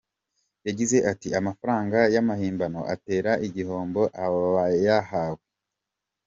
Yagize ati :"Amafaranga y’amahimbano atera igihombo abayahawe.